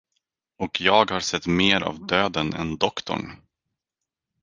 Och jag har sett mer av döden än doktorn.